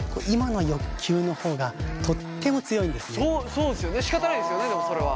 そうですよねしかたないですよねでもそれは。